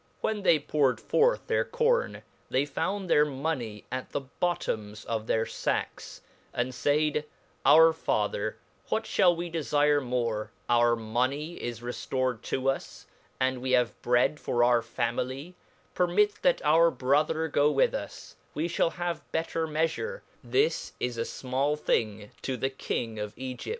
When they poured forth then corne, they found their money at the bottoms of their fack?, and faid, our father, what fhal we defirc more, our mony is rcdortd to us, and we have bread for our family, permit that our brother go with us^ we fhali have better meafure, that is afmali thing to the L 2 King 148 77;e Alcoran 0/ M A H o M E X.